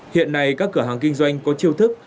hiện nay các cửa hàng kinh doanh có chiêu thức